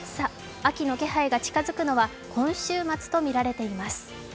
秋の気配が近付くのは今週末とみられています。